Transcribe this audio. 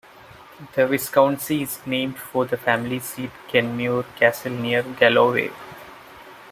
The Viscountcy is named for the family seat, Kenmure Castle near New Galloway.